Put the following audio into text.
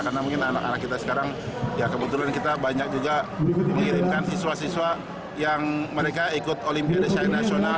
karena mungkin anak anak kita sekarang ya kebetulan kita banyak juga mengirimkan siswa siswa yang mereka ikut olimpiade siai nasional